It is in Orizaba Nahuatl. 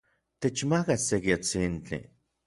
Techmaka seki atsintli.